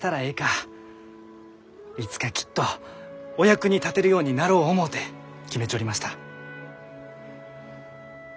いつかきっとお役に立てるようになろう思うて決めちょりました。